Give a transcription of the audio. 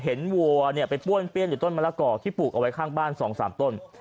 วัวเนี่ยไปป้วนเปี้ยนอยู่ต้นมะละกอกที่ปลูกเอาไว้ข้างบ้าน๒๓ต้น